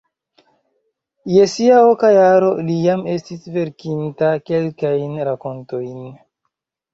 Je sia oka jaro li jam estis verkinta kelkajn rakontojn.